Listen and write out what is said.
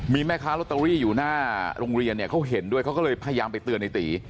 มีแม่ค้าลอตเตอรี่อยู่หน้าโรงเรียนเนี่ยเขาเห็นด้วยเขาก็เลยพยายามไปเตือนในตี